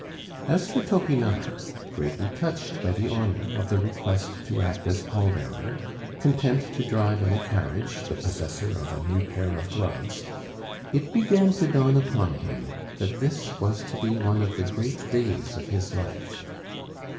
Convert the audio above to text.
As for Topinard, greatly touched by the honor of the request to act as pall bearer, content to drive in a carriage, the possessor of a new pair of gloves, it began to dawn upon him that this was to be one of the great days of his life.